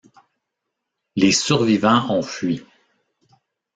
Les survivants ont fui.